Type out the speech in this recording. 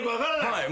はい。